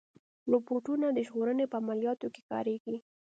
روبوټونه د ژغورنې په عملیاتو کې کارېږي.